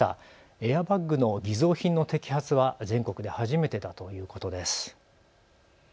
エアバッグの偽造品の摘発は全国で初めてだということです。